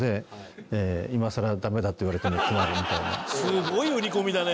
すごい売り込みだね。